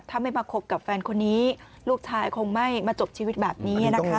ถ้าไม่มาคบกับแฟนคนนี้ลูกชายคงไม่มาจบชีวิตแบบนี้นะคะ